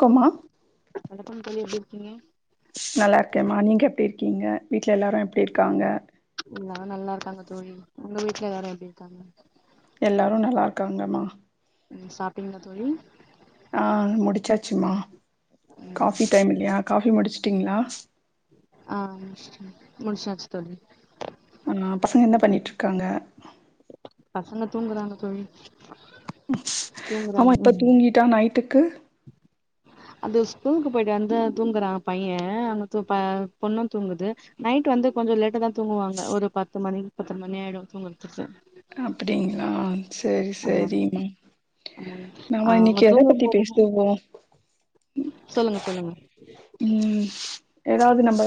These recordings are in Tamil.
கோமா வணக்கம் தோழி எப்டி இருக்கீங்க நல்லா இருக்கேம்மா நீங்க எப்டி இருக்கீங்க வீட்ல எல்லாரு எப்டி இருக்காங்க எல்லாரு நல்லா இருக்காங்க தோழி உங்க வீட்ல எல்லாரு எப்டி இருக்காங்க எல்லாரு நல்லா இருக்காங்கமா ம் சாப்டிங்ளா தோழி ஆ முடிச்சாச்சுமா ம் காஃபி டைம் இல்லயா காபி முடிச்சுட்டீங்களா ஆ முட்ச்ச முடிச்சாச்சு தோழி ஆ பசங்க என்ன பண்ணிட் ருக்காங்க பசங்க தூங்கறாங்க தோழி ஸ் ஆமா தூங்குறாங்க இப்ப தூங்கிட்டா நைட்டுக்கு அது ஸ்கூலுக்கு போயிட்டு வந்து தூங்குறா பைய ஆம‌து பொண்ணு தூங்குது நைட் வந்து கொஞ்ச லேட்டா தா தூங்குவாங்க ஒரு பத்து மணிக்கு பத்தர மணி ஆயிடு தூங்கற்துக்கு அப்டிங்ளா செரி ஆமா செரிமா ஆமா ஆ நாம அவங்க இன்னைக்கி எத தூங்கும் பத்தி போதுதா பேசுவோ சொல்லுங்க சொல்லுங்க ம் ஏதாவது நம்ப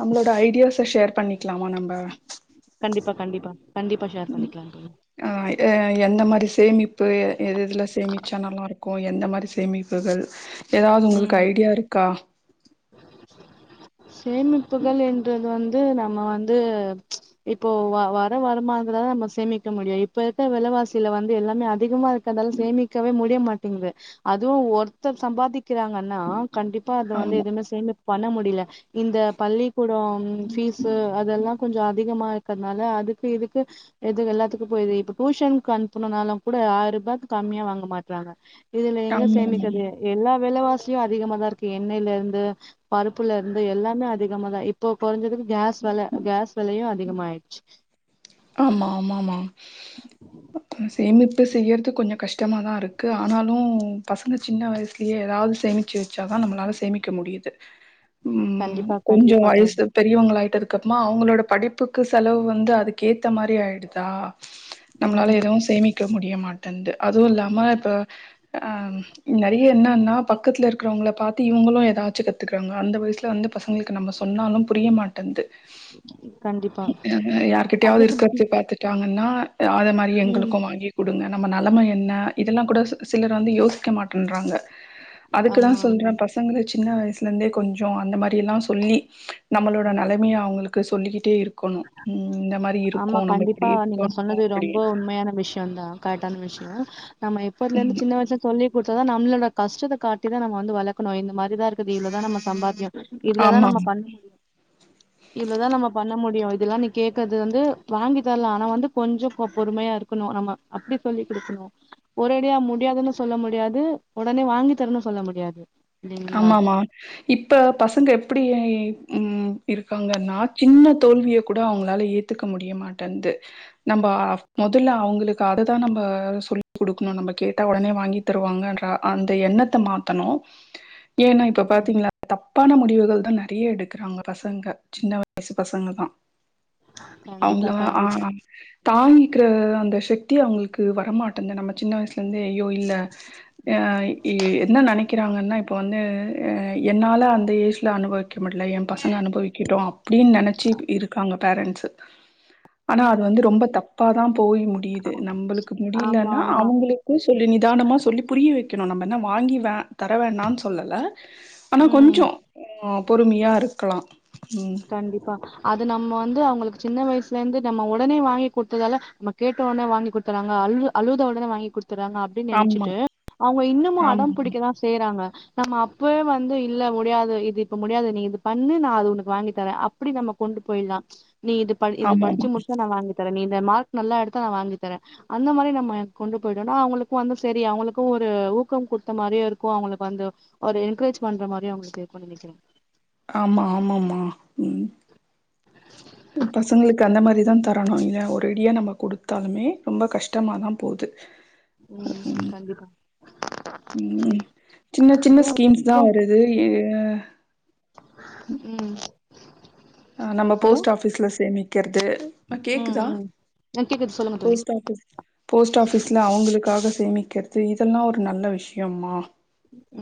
நம்மளோட ஐடியாஸ ஷேர் பண்ணிக்கலாமா நம்ப கண்டிப்பா கண்டிப்பா கண்டிப்பா ஷேர் பண்ணிக்லா தோழி ஆ எந்த மாரி சேமிப்பு எது எதுல சேமிச்சா நல்லா இருக்கு எந்த மாரி சேமிப் புகள் ஏதாவது ம் உங்களுக்கு ஐடியா இருக்கா சேமிப்புகள் என்றது வந்து நம்ம வந்து இப்ப வர வருமானாந்தலதா நம்ம சேமிக்க முடியு இப்ப இருக்க வெலைவாசியில வந்து எல்லாமே அதிகமா இருக் அதால சேமிக்கவே முடிய மாட்டேங்குது அதுவு ஒருத்தர் சம்பாதிக்கிறாங்கன்னா கண்டிப்பா அது வந்து ஆமா எதுவுமே சேமிப் பண்ண முடியல இந்த பள்ளிக்கூடம் பீஸ்ஸு அதெல்லா கொஞ்ச அதிகமா இருக்கறதுனால அதுக்கு இதுக்கு எது எல்லாத்துக்கு போயுது இப்ப டியூஷன்க்கு அனுப்புனுன்னாலு கூட ஆயிர் ரூபாக்கு கம்மியா வாங்க மாட்றாங்க இதுல எங்க ஆமாமா. சேமிக்கது எல்லா வெலவாசியு அதிகமாதா இருக்கு எண்ணெய்ல இருந்து பருப்புல இருந்து எல்லாமே அதிகம தா இப்போ குறைஞ்சதுக்கு கேஸ் வெல கேஸ் வெலையும் அதிகமாயிடுச்சி ஆமா ஆமாமா சேமிப்பு செய்யறது கொஞ்ச கஷ்டமாதா இருக்கு ஆனாலு பசங்க சின்ன வயசு யே ஏதாவது சேமிச்சு வெச்சா தா நம்பளால சேமிக்க முடியுது ம் கண்டிப்பா கொஞ்சோ கண்டிப்பா தோழி வயசு பெரியவங்க ஆயிட்டதுக்கு அப்பமா அவங்களோட படிப்புக்கு செலவு வந்து அதுக் கேத்த மாதிரி ஆயிடுதா நம்மளால ம் எதுவு சேமி இருக்க முடிய மாட்டேன்து அதுவு இல்லாம இப்ப அ நெறைய என்னன்னா பக்கத்துல இருக்கிறவங்கள பாத்து இவங்களு ஏதாச்சு கத்துக்கறாங்க அந்த வயசுல வந்து பசங்களுக்கு நம்ம சொன்னாலு புரிய மாட்டேன்து கண்டிப்பா யாருகிட்டயாவது அதுக்கு இருக்கத பாத்துட்டாங்கன்னா அது மாரி ம் எங்களுக்கு வாங்கி கொடுங்க நம்ம நெலம என்ன இதெல்லா கூட சிலர் வந்து யோசிக்க மாட்டேன்றாங்க அதுக்குதா ஆமா ஆமா சொல்றே பசங்கள சின்ன வயசுல இருந்தே கொஞ்சோ அந்த மாரி எல்லா சொல்லி நம்மளோட நெலமைய அவங்களுக்கு சொல்லிக்கிட்டே இருக்கணு ம் இந்த மாரி ஆமா இருக்கும். நம்ம கண்டிப்பா இப்டி நீங்க இருக்கோம் நம்ம சொன்னது அப்டி ரொம்ப உண்மையான விஷ் வந்தா கரெக்ட் ஆனா விஷ்யோ நம்ம எப்போதுல இருந்து ம். சின்ன வயசுக்கு சொல்லி கொடுத்தா தா நம்மளோட கஷ்டத்த காட்டிதா நம்ம வந்து வளக்கணு இந்த மாரி தா இருக்குதுஇ இவ்ளோ தா நம்ம சம்பாத்தியோ இவ்ளதா ஆமா. நம்ம பண்ண இவ்ளதா நம்ம பண்ண முடியு முடியு இதெல்லா நீ கே்கறது வந்து வாங்கி தர்லா ஆனா வந்து கொஞ்சோ பொறுமையா இருக்கணு நம்ம அப்டி சொல்லி கொடுக்கணு ஒரேடியா முடியாதுன்னு சொல்ல முடியாது உடனே வாங்கி தரன்னு சொல்ல முடியாது இல்லைங்களா ஆமா ஆமா இப்ப பசங்க எப்டி ம் இருக்காங்கன்னா சின்ன தோல்விய கூட அவங்களால ஏ ஏத்துக்க முடிய மாட்டேன்து நம்ம முதல்ல அவங்களுக்கு அததா நம்ம சொல்லி கொடுக்கணு நம்ம கேட்டா உடனே வாங்கி தருவாங்கன்ற அந்த எண்ணத்த மாத்தணு ஏன்னா இப்ப பாத்தீங்களா தப்பான முடிவுகள் தா நெறையா எடுக்கிறாங்க பசங்க சின்ன வயசு பசங்க தா கண்டிப்பா அவங்கள ஆ கண்டிப்பா தாங்கிக்கிற அந்த சக்தி அவங்களுக்கு வரமாட்டேந்து நம்ம சின்ன வயசுல இருந்தே ஐயோ இல்ல அ என்ன நெனைக்கிறாங்கன்னா இப்ப வந்து அ என்னால அந்த ஏஜ்ல அனுபவி முடில என் பசங்க அனுபவிக்கிட்டு அப்டின்னு நெனச்சி இருக்காங்க பேரன்ட்ஸ் ஆனா அது வந்து ரொம்ப தப்ப தா போய் முடியுது நம்மளுக்கு ஆமா முடியலன்னா ஆமா அவங்களுக் சொல்லி நிதானமா சொல்லி புரிய வைக்கணு நம்ம என்ன வாங்கி வே தர வேணாம்னு சொல்லல ஆனா ம் கொஞ்சோ பொறுமையா இருக்கலா ம் கண்டிப்பா அது நம்ம வந்து அவங்களுக்கு சின்ன வயசுல இருந்து நம்ம உடனே வாங்கி கொடுத்ததால ந கேட்ட உடனே வாங்கி குத்துறாங்க அழு அழுத உடனே வாங்கி குத்துறாங்க அப் டி ஆமா நெனச்சிட்டு அவங்க இன்னமு ஆமா அடம் பிடிக்கதா செய்றாங்க நம்ம அப்வே வந்து இல்ல முடியாது இது இப்ப முடியாது நீ இது பண்ணு நா அது உன வாங்கி தர அப்டி நம்ம கொண்டு போயிடலா ச் நீ இது ஆமா இது ஆமாமா படிச்சு முடிச்சா நா வாங்கி தர நீ இந்த மார்க் நல்லா எடுத்தா நா வாங்கி தர அந்த மாரி நம்ம கொண்டு போயிட்டோனா அவங்களுக்கு வந்து செரி அவங்களுக்கு ஒரு ஊக்கோ குடுத்த மாரியே இருக்கோ அவங்களுக்கு வந்து ஒரு என்கரேஜ் பண்ற மாரி அவங்ளுக்கு இருக்குனு நெனைக்கிற ஆமா ஆமாம்மா ம் பசங்களுக்கு அந்த மாரி தா த பணோ இல்லயா ஒரெடியா நம்ம கொடுத்தாலுமே ரொம்ப கஷ்டமா தா போது ம் ம் சின்ன சின்ன அதுவு ஸ்கீம்ஸ் இதா இப்போ வருது ம் நம்ப ஹலோ போஸ்ட் ஆஃபிஸ்ல சேமிக்கிறது ம் கேக்குதா ம் ஆ கேக்குது சொல்லுங்க தோழி போஸ்ட் ஆஃபிஸ் போஸ்ட் ஆஃபிஸ்ல அவங்களுக்காக சேமிக்கிறது இதெல்லா ஒரு நல்ல விஷயம்மா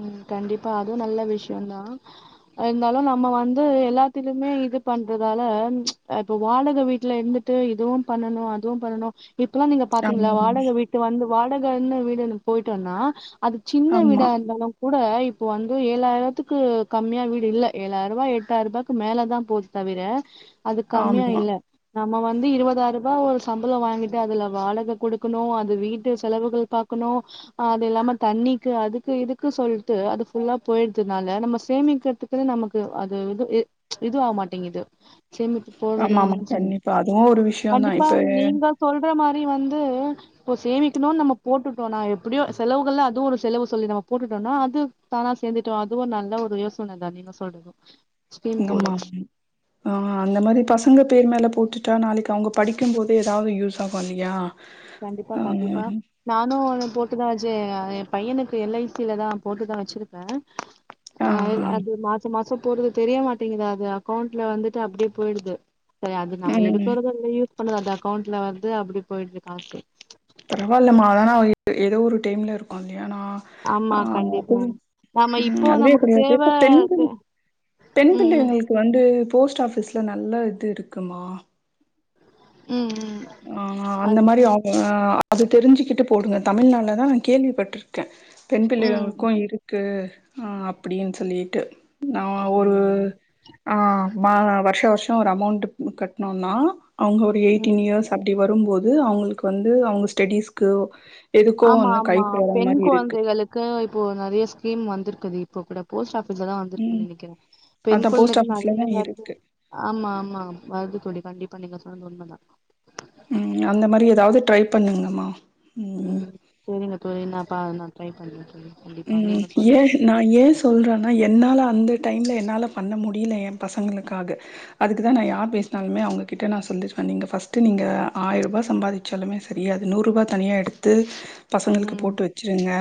ம் கண்டிப்பா அதுவு நல்ல விஷயோதா இருந்தாலு நம்ம வந்து எல்லாத்திலயுமே இது பண்றதால இப்ப வாடகை வீட்டுல இருந் சேரி இதுவு பண்ணனு அதுவு பண்ணணு இப்பல்லா நீங்க பாத்தீங்களா ஆமாமா வாடக வீட்டு வந்து வாடகன்னு வீடுன்னு போயிட்டன்னா அது சின்ன ஆமா வீடா இருந்தாலு கூட இப்ப வந்து ஏழாயிரத்துக்கு கம்மியா வீடு இல்ல ஏழாயிர ரூபா எட்டாயிர ரூபாய்க்கு மேலதா போது தவிர அது கம்மியா ஆமா இல்ல நம்ம வந்து இருபதாயிரூபா ஒரு சம்பளோ வாங்கிட்டு அதுல வாடக குடுக்கணு அது வீட்டு செலவுகள் பாக் கண்ணு அது இல்லாம தண்ணிக்கு அதுக்கு இருக்கு சொல்லிட்டு அது ஃபுல்லா போயிறதுனால நம்ம சேமிக்கிறதுக்கு நமக்கு அது இதுவு ஆகமாட்டிங்குது சேமிப் ஆமாமா போடணும்னு சொல்லி கண்டிப்பா அதுவு ஒரு விஷயந்தா கண்டிப்பா இப்ப நீங்க சொல்ற மாரி வந்து இப்ப சேமிக்கணு நம்ம போட்டுட்டோனா எப்டியோ செலவுகள்ல அதுவு ஒரு செலவு சொல்லி நம்ம போட்டுட்டோனா அது தானா சேர்ந்துட்டோ அதுவு நல்ல ஒரு யோசன தா நீங்க சொல்றது ஸ்கீம் எங்கமா போடுறது ம் ம் அந்த மாரி பசங்க பேர் மேல போட்டுட்டா நாளைக்கு அவங்க படிக்கும் போது ஏதாவது யூஸ் ஆகு இல்லயா கண்டிப்பா கண்டிப்பா நானு ஒன்னு போட்டுதா வெச்சு அ எய பையனுக்கு எல் ஐ சி லதா போட்டுதா வெச்சிருக்க ஆ அது மாசோ மாசோ போடுறது தெரியமாட்டங்குது அது அக்கௌண்ட்ல வந்துட்டு அப்டியே போயிடுது சரி அது நாங்க ம் எடுக்றது இல்ல யூஸ் பண்ணறது அந்த அக்கௌண்ட்ல வந்து அப்டி போய்டுது காசு பரவாயில்ல மாத ஆனா ஏதோ ஒரு டைம்ல் இருக்கு இல்லையானா ஆமா ஆ அது கண்டிப்பா நாம ம் இப்போ அதுவே நமக்கு தெரியாது தேவை இப்ப பெண் பெண் உம் உம் பிள்ளைங்களுக்கு வந்து போஸ்ட் ஆஃபீஸ்ல நல்ல இது இருக்குமா ம் ம் ஆ அந்த மாரி ஆட் ஆ அது தெரிஞ்சிக்கிட்டு போடுங்க தமிழ்நாடுல தா நா கேள்விப்பட்டிருக்க பெண் உம் பிள்ளைகளுக்கு இருக்கு இருக்கு ஆ அப்டின்னு சொல்லிட்டு நா ஒரு அப்படிங்களா ஆ மா வருஷோ வருஷோ ஒரு அமௌண்ட் கட்ணோனா அவங்க ஒரு உம் எயிட்டன் இயர்ஸ் அப்டி வரும்போது அவங்களுக்கு வந்து அவங்க ஸ்டடிஸ்க்கு எதுக்கோ ஒன்னு கைக்கு வர மாரி இருக்கு க்கா இப்போ நெறைய ஸ்கீம் வந்திருக்குது இப்போ கூட போஸ்ட் ஆஃபீஸ்ல தா வந்திருக்கனு ம் நெனைக்கிற பெண் அதா போஸ்ட் குழந்தைகள் ஆஃபீஸ்ல நெறைய தா வருது இருக்கு ஆமா ஆமா வருது தோழி கண்டிப்பா நீங்க சொன்னது உண்மதா ம் அந்த மாரி ஏதாவது ட்ரை பண்ணுங்கமா ம் செரிங்க தோழி நா பா நா ட்ரை பண்ற தோழி கண்டிப்பா ம் நீங்க சொன்ன எ நா ஏய சொல்றன்னா என்னால அந்த டைம்ல என்னால பண்ண முடியல எய பசங்களுக்காக அதுக்கு தா நா யார் பேசினாலுமே அவங்க அவங்கிட்ட நா சொல்லிருவ நீங்கள் ஃபர்ஸ்ட்டு நீங்க ஆயிர ரூபா சம்பாதிச்சாலுமே சேரி அது நூறுரூபா தனியா எடுத்து பசங்களுக்கு ம் போட்டு வச்சுருங்க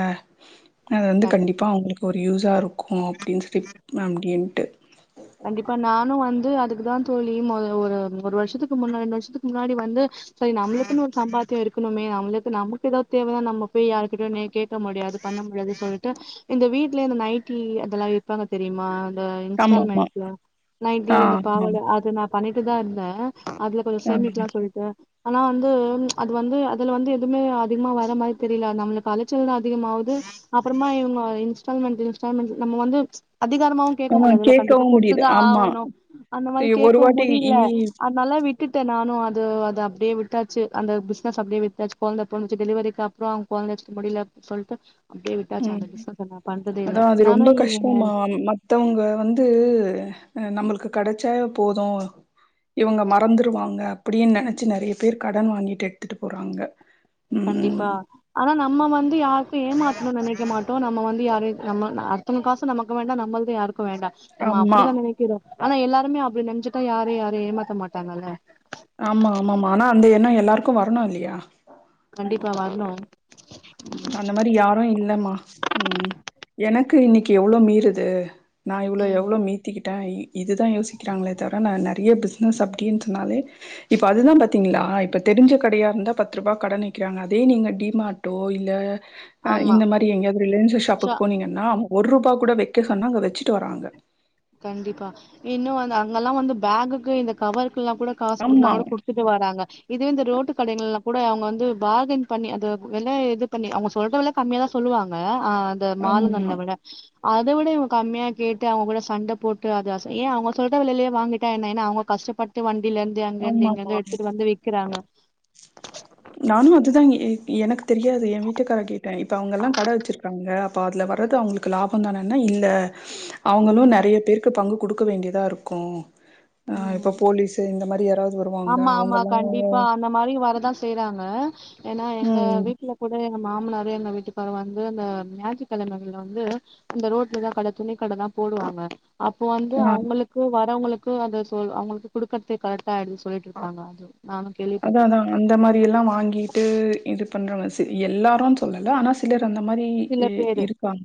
அது வந்து கண்டிப்பா அவங்களுக்கு ஒரு யூஷா இருக்கும் அப்டின்னு சிட்டா அப்டின்னுட்டு கண்டிப்பா நானு வந்து அதுக்கு தா தோழி முத ஒரு ஒரு வருஷசக்கு முன்னாடி ரெண்டு வருஷக்குக முன்னாடி வந்து சேரி நம்மளுக்குன்ன ஒரு சம்பாத்தியம்இருக்கணுமே நம்மளுக்கு நமக்கு ஏதாதவது தேவன்னா நம்ம போய்யாருகிட்டயு கேக் பண்ண முடியாது பண்ண முடியாது சொல்ட்டு இந்த வீட்லே இந்த நைட்டி அதெல்லாம் விப்பாங்க தெரியுமா ஆ ஆமா ஆமா இன்ஸ்டால்மெண்ட்ல நைட்டி ஆ இந்த ஆமா பாவாடை அது நான் பண்ணிட்டு தான் இருந்தேன் அதுல கொஞ்சம் ஆ சேமிக்கலா சொல்ட்டு ஆனா வந்து அது வந்து அதுல வந்து எதுமே அதிகமா வர மாரி தெரில நம்மளுக்கு அலைச்சல் தான் அதிகமாவுது அப்பறமா இவுங்க இன்ஸ்டால்மெண்ட் இன்ஸ்டால்மெண்டட் நம்ம வந்து அதிகாரமும் வந்து கேட்க ஆமா முடியாதுல கண்டிப்பா கேட்கவு கூப் முடியுது ஆமா ஆவனும் அந்த மாரி ஒரு கேட்கவு வாட்டி முடில அதனால விட்டுட்டே நானும் அது அது அப்பனடியே விட்டாச்சு அந்த பிஸ்னஸ் அப்டியே விட்டாச்சு குழந்தை பொறந்துச்சு டெலிவரிக்கு அப் பறோ அவங்க குழந்தைய வச்சிட்டு முடில அப்டின்டு சொல்லிட்டு அப்டே விட் டாச்சு ம் அந்த பிஸ்னஸ் நான் பண்றதே இல்ல அதா அது ரொம்ப நானும் இ எ கஷ்டமா மத்தவங்க வந்து நம்மளுக்கு கிடைச்சாவே போதும் இவங்க மறந்துருவாங்க அப்டின்னு நினைச்சு நிறைய பேர் கடன் வாங்கிட்டு எடுத்துட்டு போறாங்க கண்டிப்பா ம் ஆனா நம்ம வந்து யாருக்கும் ஏமாத்தனும் நினைக்க மாட்டோம் நம்ம வந்து யாரு நம்ம அடுத்தவங்க காசு நமக்கு வேண்டாம் நம்மல்தும் யாருக் கும் குடுக்க வேண்டாம் நம்ம ஆமா அப்டித்தான் நினைக்கிறோம் ஆனா எல்லாருமே அப்டி நெனச்சிட்டா யாரும் யாரையும் ஏமாத்த மாட்டாங்கள ஆமா ஆமா மனம் வந்து எல்லாருக்கும் வரணும் இல்லையா கண்டிப்பா வரணும் அந்த மாரி யாரும் இல்லமா ம் எனக்கு இன்னிக்கி எவ்ளோ மீறுது நான் இவ்ளோ ம் எவ்ளோ மீத்திக்கிட்ட இ இதுதான் யோசிக்கிறாங்களே தவிர நான் நறைய பிஸ்னஸ் அப்டின்டுனாலே இப்ப அதுதான் ம் பாத்தீங்களா இப்ப தெரிஞ்ச கடையா இருந்தா பத்து ரூபாய் கடன் நிக்கிறாங்க அதே நீங்க டிமாட்டோ இ இல்ல ஆமா இந்த மாரி எங்கயாவது ரிலையன்ஸ் ஷா ஷாப்புக்கு போனிங்கனா நான் ஒரு ரூபாய் கூட வைக்க சொன்னா அங்க வச்சுட்டு வராங்க கண்டிப்பா இன்னும் அங்கெல்லாம் வந்து பேக்குக்கு இந்த கவர்ருக்குல்லாம் கூட காசு குடுக்கனா ஆமா, கூட குடு த்துட்டு வராங்க இதுவே இந்த ரோட்டு கடைகல்லாம் கூட அவங்க வந்து பார்கின் பண்ணி அதன் வெல இது பண்ணு அவுங்க சொல்லுறத கம்மியா தான் சொல்லுவாங்க ஆ இந்த ஆமா, மால்களைவிட அதையும் விட இவங்க கம்மியா கேட்டு அவ்ளோ சண்ட போட்டு அது அசை ஏன் அவங்க சொல்ற விலையிலே வாங்கிட்டா என்ன ஏன்னா அவங்க கஷ்டப்பட்டு வண்டியிலேருந்து அதே அங்க இருந்து ஆமாமா. எங்கிலிருந்து எடுத்துட்டு வந்து விக்கறாங்க நானும் அதுதான் எனக்கு தெரியாது என் வீட்டுக்கார கேட்டேன் இப்ப அவங்க எல்லாம் கட வச்சிருக் காங்க அப்ப அதுல வரது அவங்களுக்கு லாபம் தான இல்ல அவங்களும் ம் நிறைய பேர் க்கு பங்கு கொடுக்க வேண்டியதா இருக்கும் ஆ இப்ப ம் போலீஸ் இந்த மாரி யாராவ் வருவாங்க ஆமா ஆமா அவங்கல்லா கண்டிப்பா அந்த மாரி வரதான் செய்றாங்க ஏன்னா எங்க ம். வீட்ல கூடவே எங் மாமனார் எங்க வீட்டுக்காரு வந்து அந்த மேஜிக் தலைமகள்ல வந்து இந்த ரோட்லதான் கட துணி கட தான் போடுவாங்க அப்போ வந்து ஆ. அவங்களுக்கு வரவங்களுக்கு அதை சொ அவங்களுக்கு குடுக்கறதுக்கு கரெக்டா ஆய்டுச்சு போய்ட்டுருப்பாங்க அது நானும் அதா கேள்விப்பட்டிருக்கேன். அதான் அந்த மாரி எல்லாம் வாங்கிட்டு இது பண்றவங்க சரி எல்லாரும் சொல்லல ஆனா சிலர் அந்த மாரி சில இ பேரு இருப்பாங்க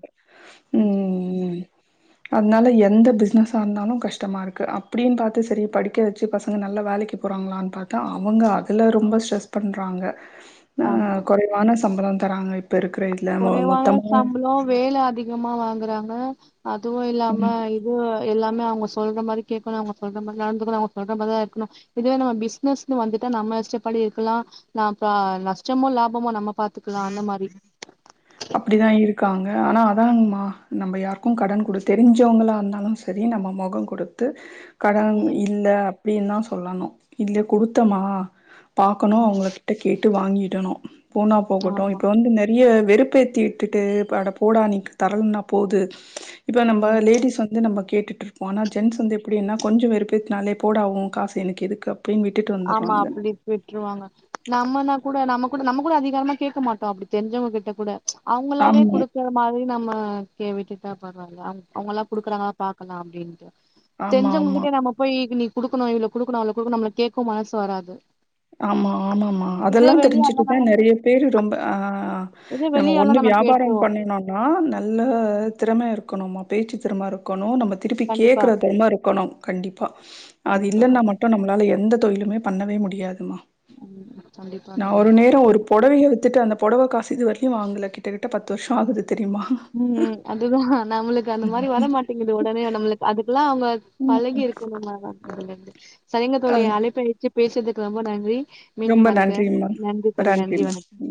ம் சரி, சரி. ம் அதனால எந்த பிசினஸாஸ் இருந்தாலும் கஷ்டமா இருக்கு அப்டின்னு பார்த்த சேரி படிக்க வச்சு பசங்க நல்ல வேலைக்கு போறாங்களான்னு பார்த்தா அப் அவங்க அதுல ரொம்ப ஸ்ட்ரெஸ் பண்றாங்க அ ஆமா. குறைவான சம்பளம் தராங்க இப்ப இருக்குற இதுல மொ குறைவான மொத்தமா சாம்பளம் வேலை அதிகமா வாங்குறாங்க அதுவும் ம் இல்லாம இது எல்லாமே அவங்க சொல்ற மாரி கேக்கணும் அவங்க சொல்ற மாரி நடந்துக்குனும் அவங்க சொல்ற மாரி தான் இருக்கணும் இதுவே நம்ம பிசினஸ்ன்னு வந்துட்டா நம்ம இஷ்டப்படி இருக்கலா நா ப நஷ்டமோ லாபமோ நம்ம பாத்துக்கலா அந்த மாரி அப்டிதா இருக்காங் ஆனா அதாங்மா நம்ப யாருக்கு கடன் குடு தெரிஞ்சவங்களா இருந்தாலு சரி நம்ம முகோங் குடுத்து கடன் ம் இல்ல அப்டின்னு தா சொல்லணு இல்லை குடுத்தமா பாக்கணு ம் அவங்கள் ட கேட்டு வாங்கிடணு போனா போகட்டு ஆமா இப்ப வந்து நெறய வெறுப் ப ஏத்தி விட்டுட்டு ப அட போடா நீ தரலனா போது இப்போ நம்ப ம் லேடிஸ் வந்து நம்ம கேட்டுட்டு ருப்போ ஆனா ஜென்ஸ் வந்து எப்டினா கொஞ்சோ வெறுப்பேத்துனாலே போடா உ காசு எனக்கு எதுக்கு அப்டின் விட்டுட்டு வ ஆமா அப்டி விட்ருவாங்க நம்மனா கூட நம்ம கூட நம்ம கூட அதிகாரமா கேக்க மாட்டோ அப்டி தெரிஞ்சவங்க கிட்ட கூட அவங்களாவே ஆமா, குடு க்குற மாதிரி நம்ம கே விட்டுட்டா பரவால்ல அவ அவங்கலா குடுக்குறாங்கலா பாக்கலா அப்டின்ட்டு ஆமா, தெரிசவங்க ஆமா. கிட்டயே நம்ம போய் நீ குடுக்கணு இவ்ளோ குடுக்கணு அவ்ளோ குடுக்கணு நம்ம கேக்கவு மனசு வராது ஆமா ஆமாம்மா இதே அதெல்லா வெளியாள்னா தெரிஞ்சுட்டுதா நம்ம நெறைய பேரு ரொம்ப ஆ இதே நம்ம ஒன்னு வெளியாள்னா வியாபாரம் கேட்ருவோ பண்ணினா னா நல்ல திறமை இருக்கணும்மா பேச்சு திறம இருக்கணு நம்ம திருப்பி கண்டிப்பா கேக்குற திரமா இருக்கணும் கண்டிப்பா அது கண்டிப்பா இல்லன்னா கண்டிப்பா மட்டு நம்ளால எந்த தொழிலுமே பண்ணவே முடியாதுமா ம் கண்டிப்பா நா தோழி ஒரு நேரோ ஒரு பொடவைய வித்துட்டு அந்த பொடவ காசு இது வரைலயு வாங்கல கிட்டகிட்ட பத்து வருஷோ ஆகுது தெரியுமா ம் அதுதா நம்ளுக் அந்த மாரி வரமாட்டேங்குது உடனே நம்ளுக் அதுக்குலா அவங்க ம். பழகி இருக்கணு மேடோ தோழி சரிங்க தோழி அது அழைப்ப ஏற்றுப் பேசுறதுக்கு ரொம்ப நன்றி ரொம்ப மீண்டும் அழைக்கிறே நன்றிம்மா. நன்றி தோழி நன்றி நன்றிம்மா. வணக்கம்